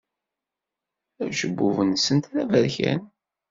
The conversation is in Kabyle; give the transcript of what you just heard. Acebbub-nsent d aberkan.